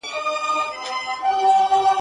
یوازي له منصور سره لیکلی وو ښاغلی.